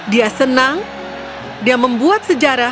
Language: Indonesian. dia senang dia membuat sejarah